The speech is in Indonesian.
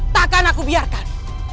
takkan aku biarkan